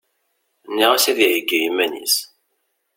Nniɣ-as ad iheggi iman-is.